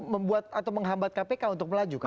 membuat atau menghambat kpk untuk melaju